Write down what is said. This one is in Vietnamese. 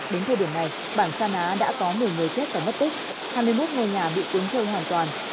đến thời điểm này bản sa ná đã có một mươi người chết và mất tích hai mươi một ngôi nhà bị cuốn trôi hoàn toàn